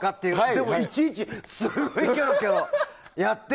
でも、いちいちすごいキョロキョロやって。